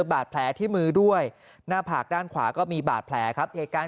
บาดแผลที่มือด้วยหน้าผากด้านขวาก็มีบาดแผลครับเหตุการณ์